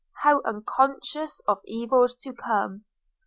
how unconscious of evils to come!